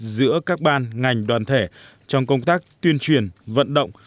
giữa các ban ngành đoàn thể trong công tác tuyên truyền vận động